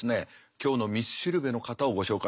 今日の道しるべの方をご紹介したいと思いますね。